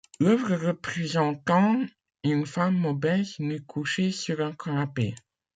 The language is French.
L'œuvre représentant une femme obèse nue couchée sur un canapé.